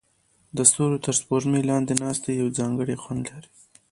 د ستورو تر سپوږمۍ لاندې ناستې یو ځانګړی خوند لري.